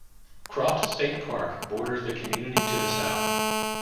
Croft State Park borders the community to the south.